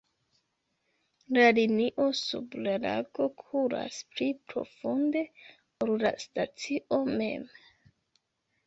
La linio sub la lago kuras pli profunde, ol la stacio mem.